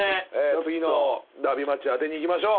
次のダービーマッチ当てにいきましょう。